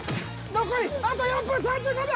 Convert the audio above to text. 残りあと４分３５秒。